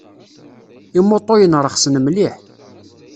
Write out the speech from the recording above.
Imuṭuyen rexsen mliḥ.